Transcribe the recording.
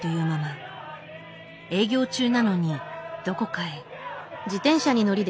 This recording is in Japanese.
営業中なのにどこかへ。